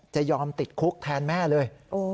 จะยอมติดคุกแทนแม่เลย